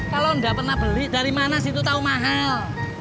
kalau nggak pernah beli dari mana situ tahu mahal